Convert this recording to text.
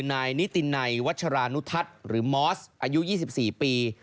นายนิตินัยวัชรานุทัศน์หรือมอสอายุ๒๔ปี